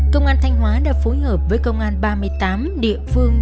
công an thanh hóa đã phối hợp với công an ba mươi tám địa phương